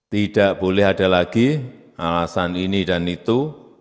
tidak boleh ada lagi alasan ini dan itu